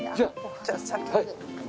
じゃあ先に。